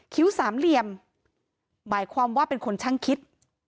สามเหลี่ยมหมายความว่าเป็นคนช่างคิด